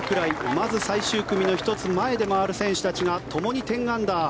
まず、最終組の１つ前で回る選手たちがともに１０アンダー。